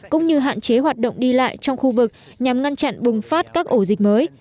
cũng như hạn chế hoạt động đi lại trong khu vực nhằm ngăn chặn bùng phát các ổ dịch mới